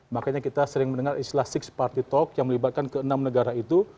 makanya kita sering mendengar istilah enam party talk yang melibatkan ke enam negara itu